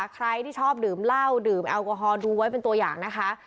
ใครที่ชอบดื่มเหล้าดื่มแอลกอฮอลดูไว้เป็นตัวอย่างนะคะ